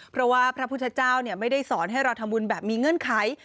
เพราะว่าพระพุทธเจ้าไม่ได้สอนให้เราทำบุญแบบมีเงื่อนไข